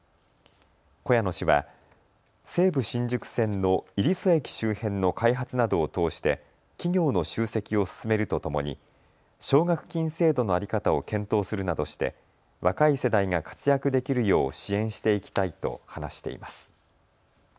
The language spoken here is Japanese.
小谷野氏は西武新宿線の入曽駅周辺の開発などを通して企業の集積を進めるとともに奨学金制度の在り方を検討するなどして若い世代が活躍できるよう支援していきたいと話しています。